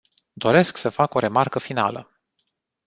Doresc să fac o remarcă finală.